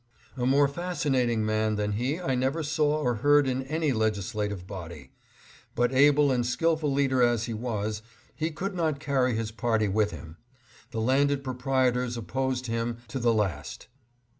A more fascinating man than he I never saw or heard in any legislative body. But able and skillful leader as he was, he could not carry his party with him. The landed proprietors opposed him to the last.